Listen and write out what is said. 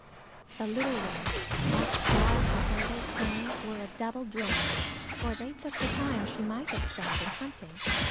The little ones half starved before they came were a double drain, for they took the time she might have spent in hunting.